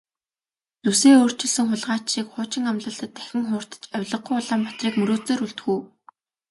Зүсээ өөрчилсөн хулгайч шиг хуучин амлалтад дахин хууртаж авлигагүй Улаанбаатарыг мөрөөдсөөр үлдэх үү?